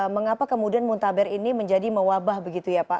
mengapa kemudian muntaber ini menjadi mewabah begitu ya pak